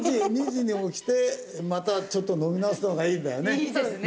２時に起きてまたちょっと飲み直すのがいいんだよね。